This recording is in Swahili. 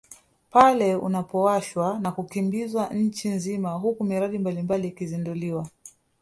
Pale unapowashwa na kukimbizwa nchi nzima huku miradi mbalimbali ikizinduliwa